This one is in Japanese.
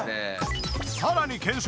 さらに検証！